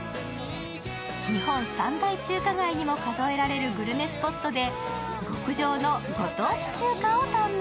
日本三大中華街にも数えられるグルメスポットで極上のご当地中華を堪能。